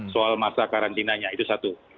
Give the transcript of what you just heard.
soal masa karantinanya itu satu